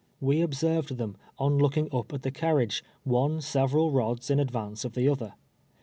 AVe observed them, on looking up at the carriage — one several rods in advance of the other.